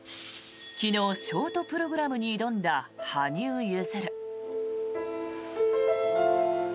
昨日ショートプログラムに挑んだ羽生結弦。